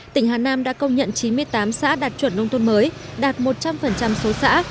tỉnh hà nam đã công nhận chín mươi tám xã đạt chuẩn nông thôn mới đạt một trăm linh số xã